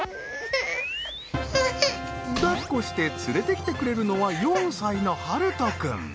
抱っこして連れてきてくれるのは４歳の遥斗君。